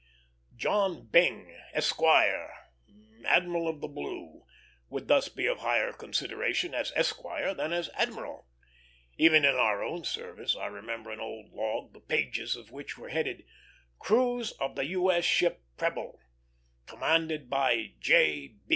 John Byng, Esquire, Admiral of the Blue, would thus be of higher consideration as Esquire than as Admiral. Even in our own service I remember an old log, the pages of which were headed, "Cruise of the U. S. Ship Preble, commanded by J.